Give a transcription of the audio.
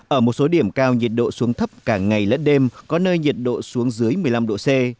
ở một số điểm cao nhiệt độ xuống thấp cả ngày lẫn đêm có nơi nhiệt độ xuống dưới một mươi năm độ c